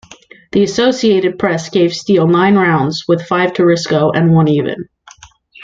The Associated Press gave Steele nine rounds, with five to Risko, and one even.